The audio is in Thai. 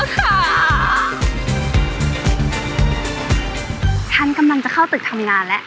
ฉันแต่งกำลังจะเค้าตึกทำงานแหละ